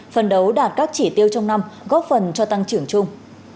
phần đấu đạt các chỉ tiêu trong năm góp phần cho tăng trưởng chung